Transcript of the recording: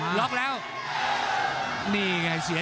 ภูตวรรณสิทธิ์บุญมีน้ำเงิน